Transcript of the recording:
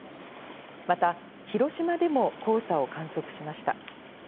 また広島でも黄砂を観測しました。